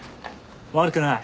悪くない。